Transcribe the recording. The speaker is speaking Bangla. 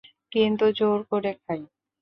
কিন্তু জোড় করে খাই।